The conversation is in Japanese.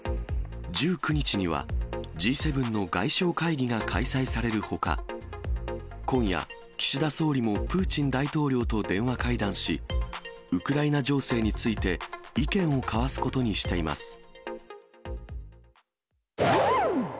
１９日には、Ｇ７の外相会議が開催されるほか、今夜、岸田総理もプーチン大統領と電話会談し、ウクライナ情勢について意見を交わすことにしています。